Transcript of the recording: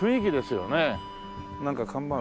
なんか看板ある。